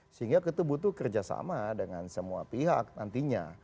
sehingga kita butuh kerjasama dengan semua pihak nantinya